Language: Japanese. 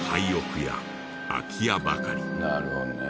なるほどね。